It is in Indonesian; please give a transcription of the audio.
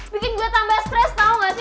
bikin gua tambah stress tau gak sih